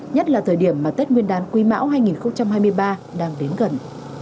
nhất là thời điểm mà tết nguyên đán quý mão hai nghìn hai mươi ba đang đến gần